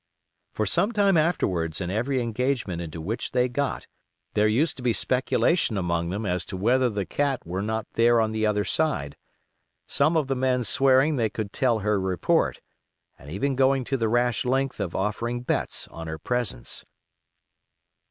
For some time afterwards in every engagement into which they got there used to be speculation among them as to whether the Cat were not there on the other side; some of the men swearing they could tell her report, and even going to the rash length of offering bets on her presence.